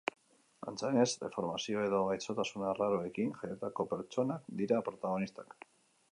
Antza denez, deformazio edo gaixotasun arraroekin jaiotako pertsonak dira protagonistak.